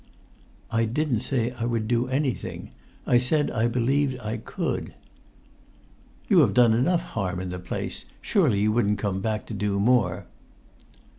"I didn't say I would do anything. I said I believed I could." [Pg 95]"You have done enough harm in the place; surely you wouldn't come back to do more?"